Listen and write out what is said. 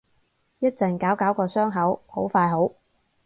一陣搞搞個傷口，好快好